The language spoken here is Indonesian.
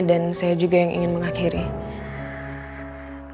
dan saya juga yang ingin mengahaminya